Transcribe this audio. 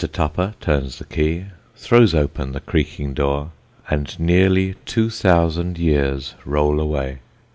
Tupper turns the key, throws open the creaking door and nearly two thousand years roll away.